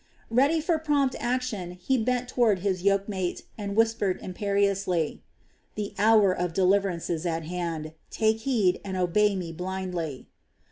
Ready for prompt action, he bent toward his yokemate, and whispered imperiously: "The hour of deliverance is at hand. Take heed, and obey me blindly."